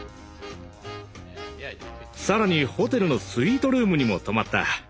更にホテルのスイートルームにも泊まった。